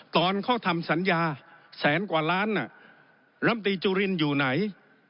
ตอนเขาทำสัญญาแสนกว่าล้านลำตีจุรินอยู่ไหน